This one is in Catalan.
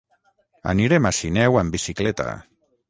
Anirem a Sineu amb bicicleta.